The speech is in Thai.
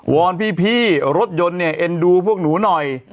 อนพี่รถยนต์เนี่ยเอ็นดูพวกหนูหน่อย